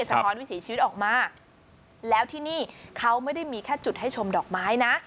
สะท้อนวิถีชีวิตออกมาแล้วที่นี่เขาไม่ได้มีแค่จุดให้ชมดอกไม้นะ